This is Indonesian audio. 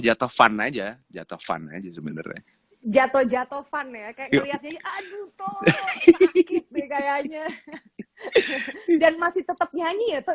aja sebenernya jatoh jatohan ya kayak ngeliat nyanyi aduh toh sakit deh kayaknya dan masih tetep nyanyi